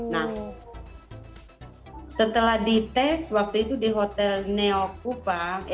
nah setelah dites waktu itu di hotel neokupang